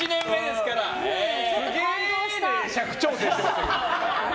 すげえ！で尺調整してましたけど。